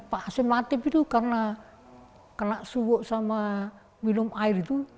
pak asim latif itu karena kena subuk sama minum air itu